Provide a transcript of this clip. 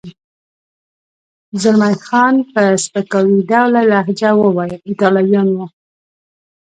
زلمی خان په سپکاوي ډوله لهجه وویل: ایټالویان و.